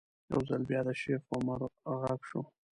یو ځل بیا د شیخ عمر غږ شو.